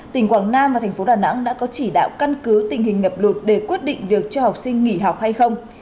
tỉnh quảng nam và thành phố đà nẵng đã có chỉ đạo căn cứ tình hình ngập lụt để quyết định việc cho học sinh nghỉ học hay không